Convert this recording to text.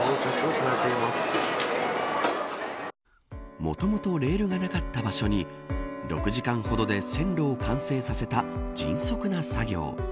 もともとレールがなかった場所に６時間ほどで線路を完成させた迅速な作業。